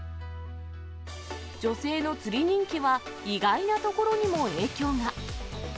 女性の釣り人気は、意外なところにも影響が。